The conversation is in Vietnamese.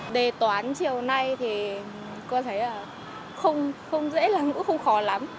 đề toán chiều nay thì con thấy là không dễ là ngữ không khó lắm